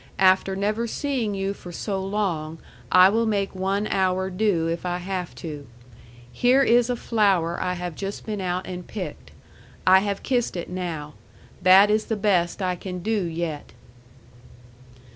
After never seeing you for so long I will make one hour do if I have to. Here is a flower I have just been out and picked. I have kissed it now. That is the best I can do yet.